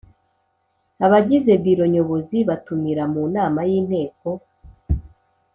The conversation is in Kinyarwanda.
abagize biro nyobozi batumira mu nama y inteko